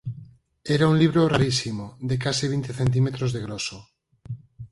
Era un libro rarísimo, de case vinte centímetros de groso.